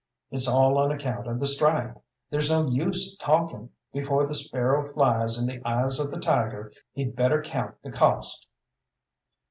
It's all on account of the strike. There's no use talking: before the sparrow flies in the eyes of the tiger, he'd better count the cost."